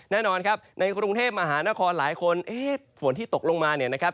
แน่นอนครับในกรุงเทพมหานครหลายคนฝนที่ตกลงมา